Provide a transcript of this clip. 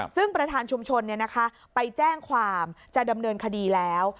ซึ่งประธานชุมชนไปแจ้งความจะดำเนินคดีแล้ว